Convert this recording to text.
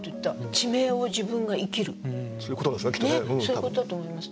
そういうことだと思います。